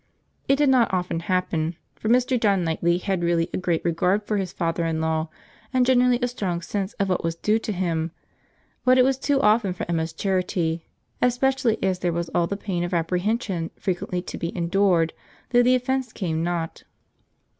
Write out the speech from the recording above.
It did not often happen; for Mr. John Knightley had really a great regard for his father in law, and generally a strong sense of what was due to him; but it was too often for Emma's charity, especially as there was all the pain of apprehension frequently to be endured, though the offence came not.